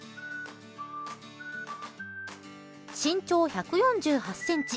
身長１４８ｃｍ。